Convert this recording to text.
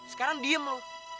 sekarang diem lu